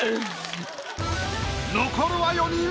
残るは４人。